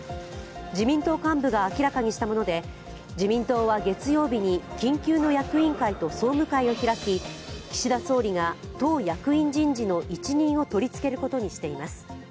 自民党幹部が明らかにしたもので自民党は月曜日に緊急の役員会と総務会を開き岸田総理が党役員人事の一任を取り付けることにしています。